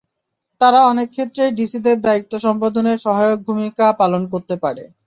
তারা অনেক ক্ষেত্রেই ডিসিদের দায়িত্ব সম্পাদনে সহায়ক ভূমিকা পালন করতে পারে।